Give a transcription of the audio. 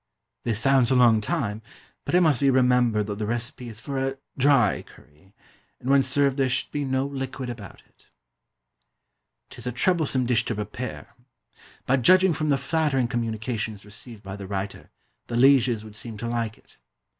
This sounds a long time, but it must be remembered that the recipe is for a dry curry; and when served there should be no liquid about it. 'Tis a troublesome dish to prepare; but, judging from the flattering communications received by the writer, the lieges would seem to like it.